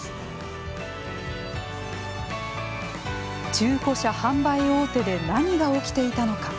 中古車販売大手で何が起きていたのか。